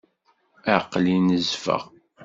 Aql-i nezfeɣ.